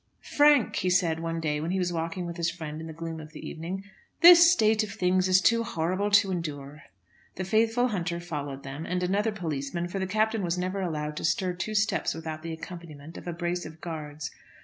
"Frank," he said one day when he was walking with his friend in the gloom of the evening, "this state of things is too horrible to endure." The faithful Hunter followed them, and another policeman, for the Captain was never allowed to stir two steps without the accompaniment of a brace of guards.